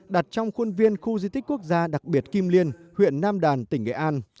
đặt trong khuôn viên khu di tích quốc gia đặc biệt kim liên huyện nam đàn tỉnh nghệ an